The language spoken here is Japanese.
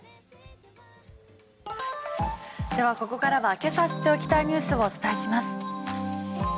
では、ここからはけさ知っておきたいニュースをお伝えします。